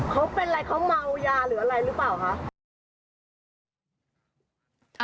เขาเป็นอะไรเขาเมายาหรืออะไรหรือเปล่าคะ